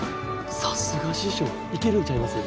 さすが師匠いけるんちゃいます？